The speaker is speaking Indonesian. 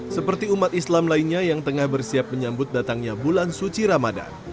seperti umat islam lainnya yang tengah bersiap menyambut datangnya bulan suci ramadan